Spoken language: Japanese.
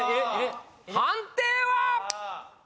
判定は？